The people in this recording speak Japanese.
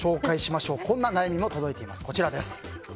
こんな悩みも届いています。